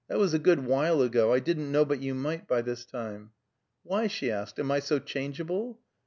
"That was a good while ago. I didn't know but you might, by this time." "Why?" she asked. "Am I so changeable?"